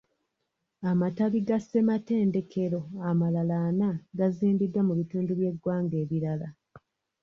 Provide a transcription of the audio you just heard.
Amatabi ga ssematendekero amalala ana gaazimbibwa mu bitundu by'eggwanga ebirala.